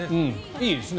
いいですね。